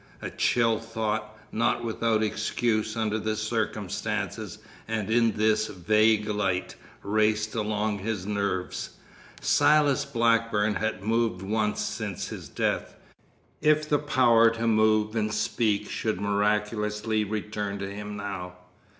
A chill thought, not without excuse under the circumstances and in this vague light, raced along his nerves. Silas Blackburn had moved once since his death. If the power to move and speak should miraculously return to him now!